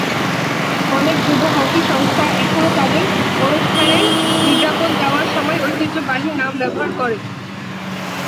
অনেক যুব হকি সংস্থা এখনও তাদের অনুষ্ঠানের বিজ্ঞাপন দেওয়ার সময় ঐতিহ্যবাহী নাম ব্যবহার করে।